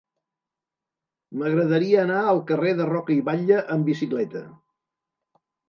M'agradaria anar al carrer de Roca i Batlle amb bicicleta.